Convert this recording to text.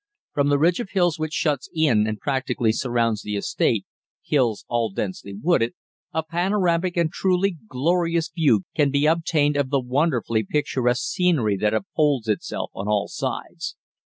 From the ridge of hills which shuts in and practically surrounds the estate hills all densely wooded a panoramic and truly glorious view can be obtained of the wonderfully picturesque scenery that unfolds itself on all sides.